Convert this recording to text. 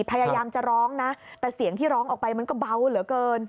พยายามจะร้องนะแต่เสียงที่ร้องออกไปมันก็เบาเหลือเกิน